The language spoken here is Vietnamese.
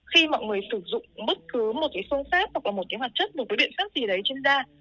khi mọi người sử dụng bất cứ một phương pháp hoặc một hoạt chất một biện pháp gì đấy trên da